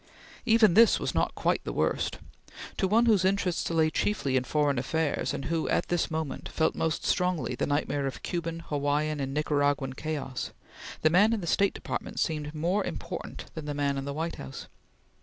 Even this was not quite the worst. To one whose interests lay chiefly in foreign affairs, and who, at this moment, felt most strongly the nightmare of Cuban, Hawaiian, and Nicaraguan chaos, the man in the State Department seemed more important than the man in the White House.